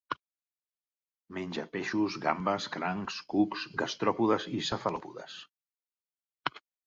Menja peixos, gambes, crancs, cucs, gastròpodes i cefalòpodes.